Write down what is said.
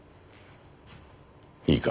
いいか？